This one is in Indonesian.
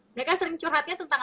mereka sering curhatnya tentang